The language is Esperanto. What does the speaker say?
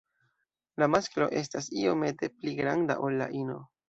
La masklo estas iomete pli granda ol la ino.